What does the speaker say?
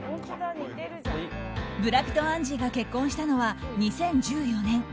ブラピとアンジーが結婚したのは２０１４年。